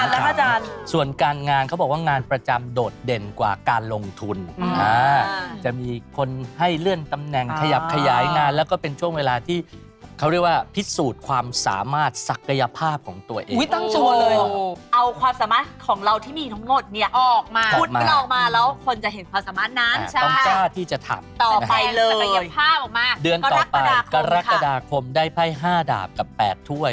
ต้องเจ้าที่จะทำเติมศักดิกภาพออกมาเดือนต่อไปกรกฎาคมได้ไพ่๕ดาบกับ๘ถ้วย